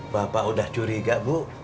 bapak udah curiga bu